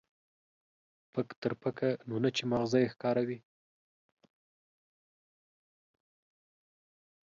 پک تر پکه، نو نه چې ما غزه يې ښکاره وي.